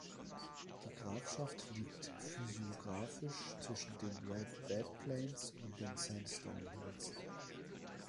Die Grafschaft liegt physiografisch zwischen den Red Bed Plains und den Sandstone Hills.